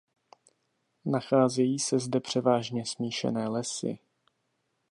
Nacházejí se zde převážně smíšené lesy.